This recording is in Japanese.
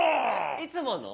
いつもの？